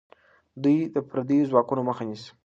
دوی د پردیو ځواکونو مخه نیسي.